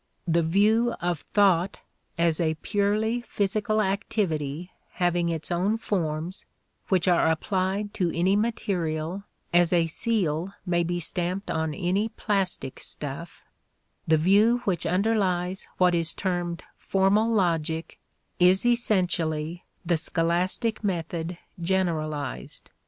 The view of thought as a purely physical activity having its own forms, which are applied to any material as a seal may be stamped on any plastic stuff, the view which underlies what is termed formal logic is essentially the scholastic method generalized.